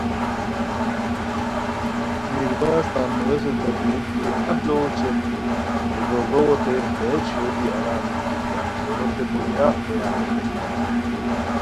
میرباز تان نوویسوتین ریر کی ایہہ لُو اوچھے ہے گور واؤتین ہیہ چھویو دی آرام نِکی کیہ، گولُو ٹیکو کیاغ کویان ریتائے